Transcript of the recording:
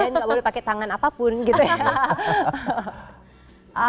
dan gak boleh pakai tangan apapun gitu ya